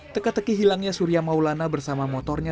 teka teki hilangnya surya maulana bersama motornya